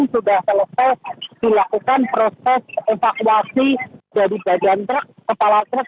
sudah selesai dilakukan proses evakuasi dari badan truk kepala truk